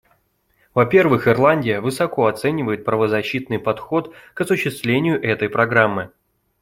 Во-первых, Ирландия высоко оценивает правозащитный подход к осуществлению этой Программы.